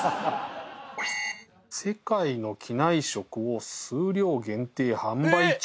「世界の機内食を数量限定販売中！」。